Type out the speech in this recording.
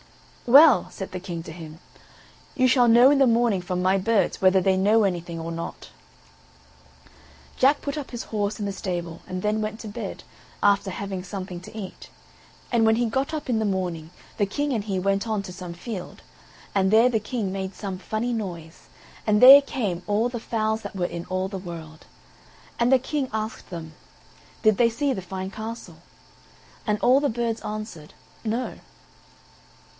"Well," said the King to him, "you shall know in the morning from my birds, whether they know anything or not." Jack put up his horse in the stable, and then went to bed, after having something to eat. And when he got up in the morning the King and he went on to some field, and there the King made some funny noise, and there came all the fowls that were in all the world. And the King asked them; "Did they see the fine castle?" and all the birds answered, No.